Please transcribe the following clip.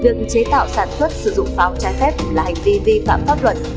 việc chế tạo sản xuất sử dụng pháo trái phép là hành vi vi phạm pháp luật